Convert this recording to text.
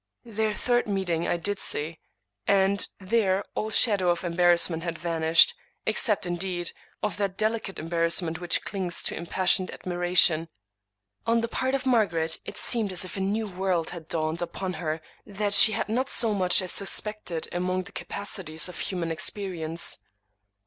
Their third meeting I did see ; and there all shadow of embarrassment had vanished, except, indeed, of that delicate embarrassment which clings to im passioned admiration. On the part of Margaret, it seemed as if a new world had dawned upon her that she had not so much as suspected among the capacities of human ex perience.